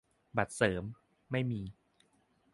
- บัตรเสริม : ไม่มี